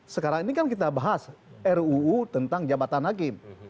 sekarang ini kan kita bahas ruu tentang jabatan hakim